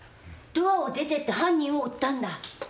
ドアを出てった犯人を追ったんだ。